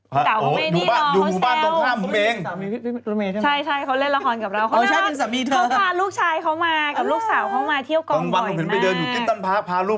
เพลงดุลูกฯเพื่อเล่นกับลูก